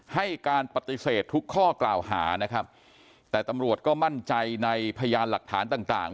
ให้การปฏิเสธทุกข้อกล่าวหานะครับแต่ตำรวจก็มั่นใจในพยานหลักฐานต่างต่าง